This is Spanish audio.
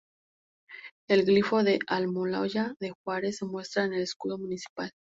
El glifo de Almoloya de Juárez se muestra en el escudo municipal.